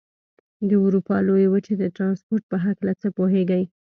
د اروپا لویې وچې د ترانسپورت په هلکه څه پوهېږئ؟